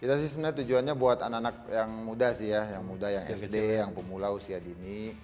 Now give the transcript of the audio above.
kita sih sebenarnya tujuannya buat anak anak yang muda sih ya yang muda yang sd yang pemula usia dini